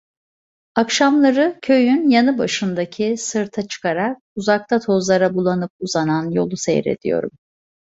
Akşamları köyün yanı başındaki sırta çıkarak uzakta tozlara bulanıp uzanan yolu seyrediyorum.